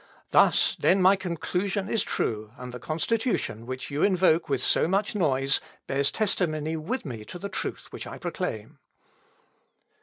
Thus, then my conclusion is true, and the Constitution, which you invoke with so much noise, bears testimony with me to the truth which I proclaim."